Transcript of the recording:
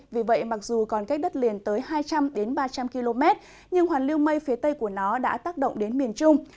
vì vậy mặc dù còn cách đất liền tới hai trăm linh ba trăm linh km nhưng hoàn lưu mây phía tây của nó đã tác động đến miền trung